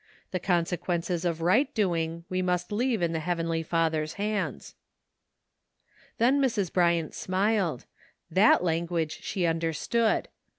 The conse quences of right doing we must leave in the Heavenly Father's hands." Then Mrs. Bryant smiled; that language she understood.